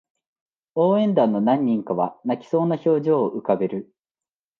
応援団の何人かは泣きそうな表情を浮かべる